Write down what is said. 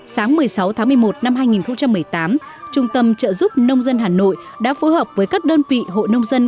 sáng một mươi sáu tháng một mươi một năm hai nghìn một mươi tám trung tâm trợ giúp nông dân hà nội đã phối hợp với các đơn vị hội nông dân